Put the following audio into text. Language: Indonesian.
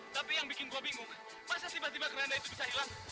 sampai jumpa di video selanjutnya